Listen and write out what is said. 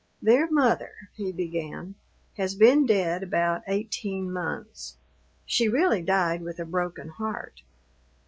"Their mother," he began, "has been dead about eighteen months. She really died with a broken heart.